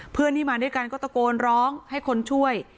เพื่อนที่มาด้วยกันก็ตะโกนร้องให้คนช่วย